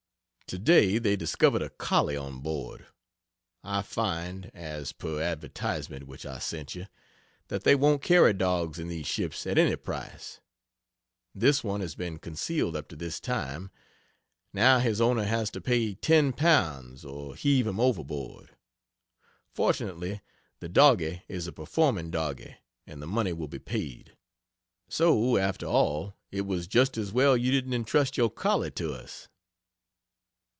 Today they discovered a "collie" on board! I find (as per advertisement which I sent you) that they won't carry dogs in these ships at any price. This one has been concealed up to this time. Now his owner has to pay L10 or heave him overboard. Fortunately the doggie is a performing doggie and the money will be paid. So after all it was just as well you didn't intrust your collie to us.